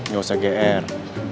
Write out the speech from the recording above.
gak usah gr